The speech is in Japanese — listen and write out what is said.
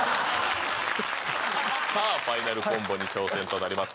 さあファイナルコンボに挑戦となります